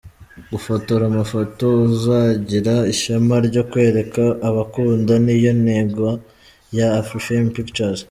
Gufotora amafoto uzagira ishema ryo kwereka abakunda, niyo ntego ya Afrifame Pictures.